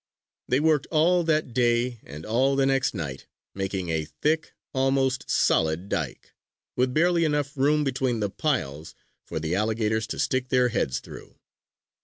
They worked all that day and all the next night, making a thick, almost solid dike, with barely enough room between the piles for the alligators to stick their heads through.